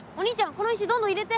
この石どんどん入れて。